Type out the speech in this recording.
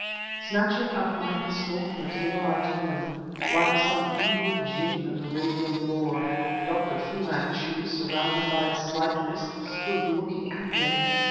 Snatching up my pistol from the table I turned. Like some evil jinn of Arabian lore, Dr. Fu Manchu, surrounded by a slight mist, stood looking at me!